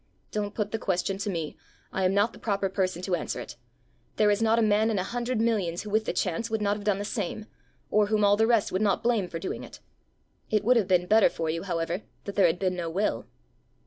"Don't put the question to me; I am not the proper person to answer it. There is not a man in a hundred millions who with the chance would not have done the same, or whom all the rest would not blame for doing it. It would have been better for you, however, that there had been no will."